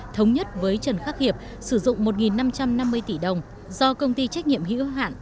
thống nhất với trần khắc hiệp sử dụng một năm trăm năm mươi tỷ đồng do công ty trách nhiệm hữu hạn